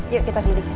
yuk kita pilih